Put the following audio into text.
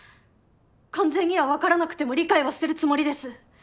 完全にはわからなくても理解はしてるつもりです。